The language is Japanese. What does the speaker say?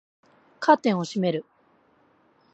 カーテンを閉める